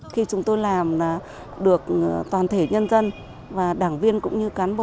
khi chúng tôi làm được toàn thể nhân dân và đảng viên cũng như cán bộ